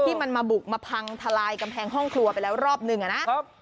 ที่มันมาบุกมาพังทลายกำแพงห้องครัวไปแล้วรอบหนึ่งนะครับ